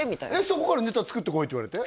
そこから「ネタ作ってこい」って言われて？